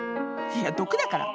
いや毒だから！